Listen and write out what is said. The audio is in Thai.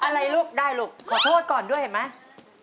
อะไรลูกได้ลูกขอโทษก่อนด้วยเห็นไหม